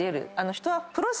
人は。